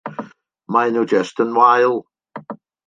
Maen nhw jyst yn wael.